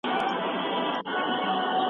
د علم ترلاسه کول اوس د پخوا په څېر ندي.